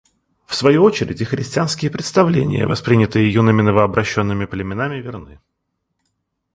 В свою очередь и христианские представления, воспринятые юными новообращенными племенами, верны.